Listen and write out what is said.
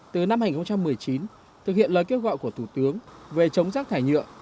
từ năm hai nghìn một mươi chín thực hiện lời kêu gọi của thủ tướng về chống rác thải nhựa